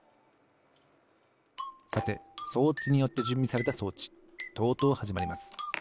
さて装置によってじゅんびされた装置とうとうはじまります。